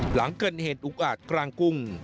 หลังเกิดเหตุอุกอาจกลางกุ้ง